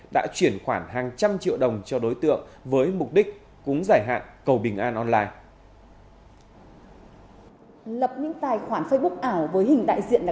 đã chuyển khoản hàng trăm triệu đồng cho đối tượng với mục đích cúng giải hạn cầu bình an online